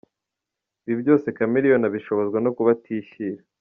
Ibi byose, Chameleone abishobozwa no kuba atishyira.